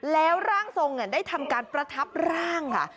แล้วร่างทรงได้ทำการประทับร่างค่ะ